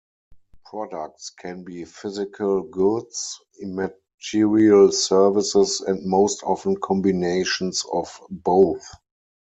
Products can be physical goods, immaterial services and most often combinations of both.